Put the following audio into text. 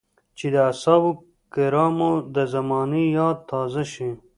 چې د اصحابو کرامو د زمانې ياد تازه شي.